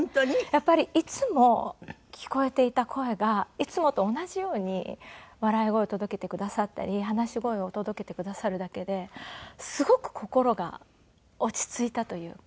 やっぱりいつも聞こえていた声がいつもと同じように笑い声を届けてくださったり話し声を届けてくださるだけですごく心が落ち着いたというか。